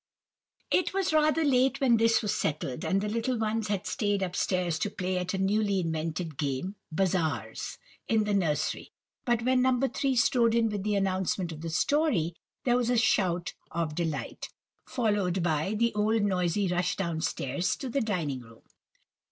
It was rather late when this was settled, and the little ones had stayed up stairs to play at a newly invented game—bazaars—in the nursery; but when No. 3 strode in with the announcement of the story, there was a shout of delight, followed by the old noisy rush down stairs to the dining room.